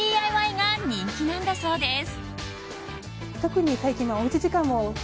ＤＩＹが人気なんだそうです。